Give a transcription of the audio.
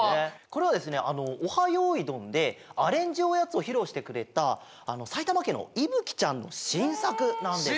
これはですね「オハ！よいどん」でアレンジおやつをひろうしてくれたさいたまけんのいぶきちゃんのしんさくなんですね。